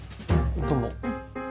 どうも。